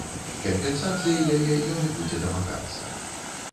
Кампенсацыі яе ён і будзе дамагацца.